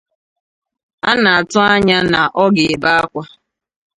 A na-atụ anya na ọ ga-ebe ákwá